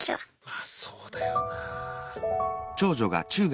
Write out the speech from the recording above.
まあそうだよな。